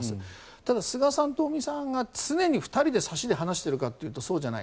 ただ、菅さんと尾身さんが常に２人で差しで話しているかというとそうじゃない。